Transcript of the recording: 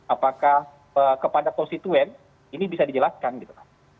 apakah kepada konstituen ini bisa dijelaskan gitu kan